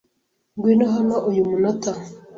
Ngwino hano uyu munota.